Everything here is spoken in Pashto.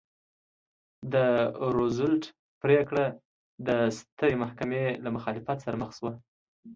د روزولټ پرېکړه د سترې محکمې له مخالفت سره مخ شوه.